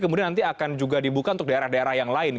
karena bisa jadi nanti akan juga dibuka untuk daerah daerah yang lain